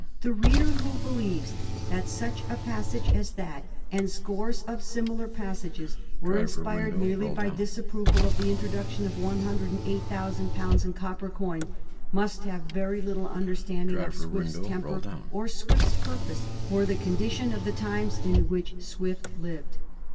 ' The reader who believes that such a passage as that, and scores of similar passages, were inspired merely by disapproval of the introduction of one hundred and eight thousand pounds in copper coin, must have very little understanding of Swift's temper or Swift's purpose, or the condition of the times in which Swift lived.